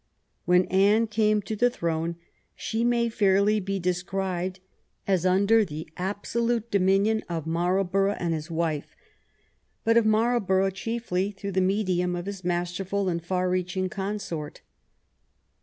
When Anne came to the throne she may fairly be described as under the absolute dominion of Marlbor ough and his wife, but of Marlborough chiefly through the medium of his masterful and far reaching consort.